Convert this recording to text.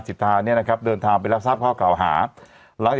สปอร์ตเซรั่ม